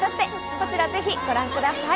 こちら、ぜひご覧ください。